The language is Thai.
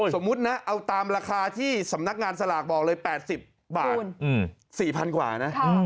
สมมุตินะเอาตามราคาที่สำนักงานสลากบอกเลย๘๐บาท๔๐๐กว่านะ